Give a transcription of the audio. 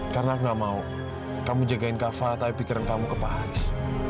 karena aku gak mau kamu jagain kak fahad tapi pikiran kamu ke pak haris